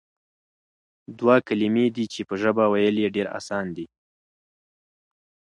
دوه کلمې دي چې په ژبه ويل ئي ډېر آسان دي،